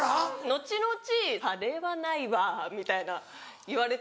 後々「あれはないわ」みたいな言われて。